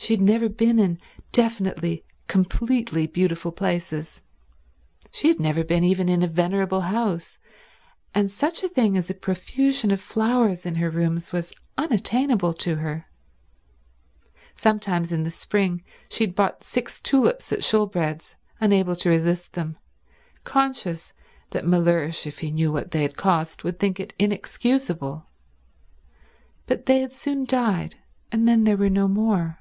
She had never been in definitely, completely beautiful places. She had never been even in a venerable house; and such a thing as a profusion of flowers in her rooms was unattainable to her. Sometimes in the spring she had bought six tulips at Shoolbred's, unable to resist them, conscious that Mellersh if he knew what they had cost would think it inexcusable; but they had soon died, and then there were no more.